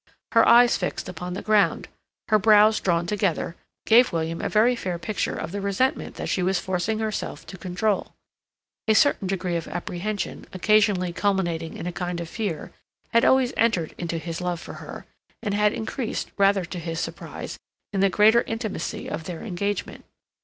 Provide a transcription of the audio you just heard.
Her eyes fixed upon the ground, her brows drawn together, gave William a very fair picture of the resentment that she was forcing herself to control. A certain degree of apprehension, occasionally culminating in a kind of fear, had always entered into his love for her, and had increased, rather to his surprise, in the greater intimacy of their engagement.